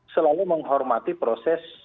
selalu menghormati proses